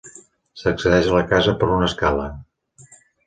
S'accedeix a la casa per una escala.